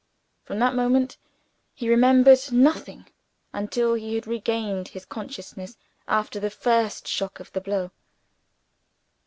From that moment, he remembered nothing, until he had regained his consciousness after the first shock of the blow.